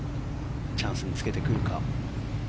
チャンスにつけてくるか。